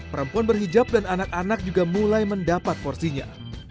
perempuan berhijab dan anak anak juga mulai mendapat porsinya